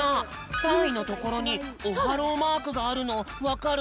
３いのところにオハローマークがあるのわかる？